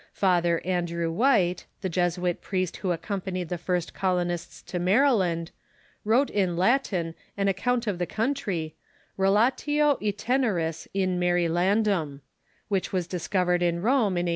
Father Andrew White, the Jesuit priest who accompanied the first colonists to Maryland, wrote in Latin an account of the country, " Relatio Itineris in Marylandum," which was discovered in Rome in 1832.